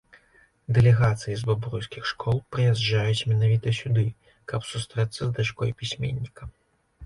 Дэлегацыі з бабруйскіх школ прыязджаюць менавіта сюды, каб сустрэцца з дачкой пісьменніка.